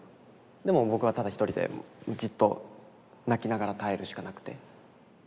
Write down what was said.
でも僕はただ一人でじっと泣きながら耐えるしかなくて。